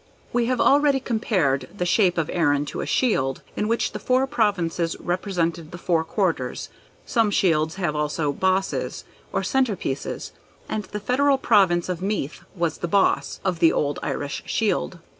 We have already compared the shape of Erin to a shield, in which the four Provinces represented the four quarters. Some shields have also bosses or centre pieces, and the federal province of MEATH was the boss of the old Irish shield.